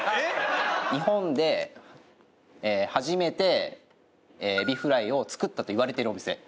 日本で初めてエビフライを作ったといわれてるお店。